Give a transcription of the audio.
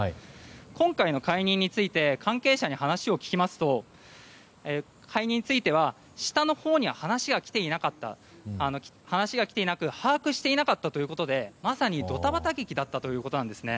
今回の解任について関係者に話を聞きますと解任については下のほうに話がきていなく把握していなかったということでまさにドタバタ劇だったということです。